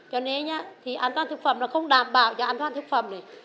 cho nên thì an toàn thực phẩm nó không đảm bảo cho an toàn thực phẩm này